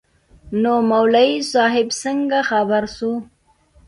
نو مولوي صاحب څنگه خبر سو.